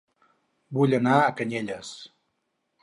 Vull anar a Canyelles